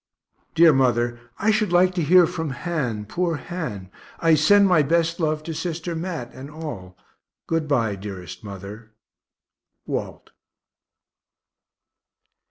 Dear mother, I should like to hear from Han, poor Han. I send my best love to sister Mat and all. Good bye, dearest mother. WALT.